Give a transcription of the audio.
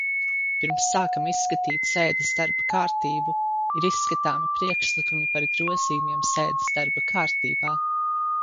Pirms sākam izskatīt sēdes darba kārtību, ir izskatāmi priekšlikumi par grozījumiem sēdes darba kārtībā.